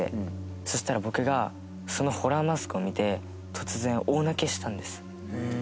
そうしたら僕がそのホラーマスクを見て突然大泣きしたんです。